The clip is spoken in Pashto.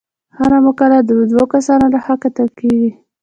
هره مقاله د دوه کسانو لخوا کتل کیږي.